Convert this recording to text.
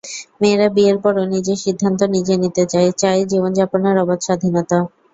মেয়েরা বিয়ের পরেও নিজের সিদ্ধান্ত নিজে নিতে চান, চায় জীবনযাপনের অবাধ স্বাধীনতা।